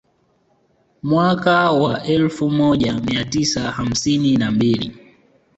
Mwaka wa elfu moja mia tisa hamsini na mbili